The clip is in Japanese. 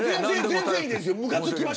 全然いいですよ。